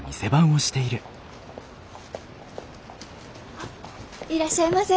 あっいらっしゃいませ。